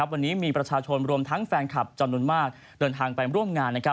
วันนี้มีประชาชนรวมทั้งแฟนคลับจำนวนมากเดินทางไปร่วมงาน